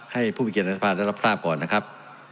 ให้ผู้มีเกียรติในสภาได้รับทราบก่อนนะครับ